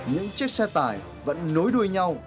những chiếc xe tải vẫn nối đuôi nhau